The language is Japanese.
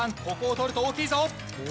ここを取ると大きいぞ！